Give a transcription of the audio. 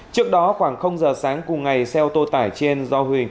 trước đó khoảng giờ sáng cùng ngày xe ô tô tải trên do huỳnh